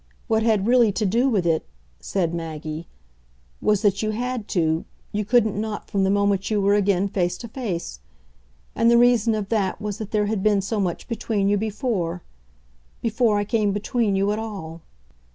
What had really to do with it," said Maggie, "was that you had to: you couldn't not, from the moment you were again face to face. And the reason of that was that there had been so much between you before before I came between you at all."